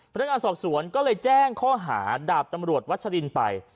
พนักงานสอบสวนก็เลยแจ้งข้อหาดาบตำรวจวัชลินไป